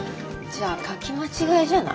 じゃあ書き間違いじゃない？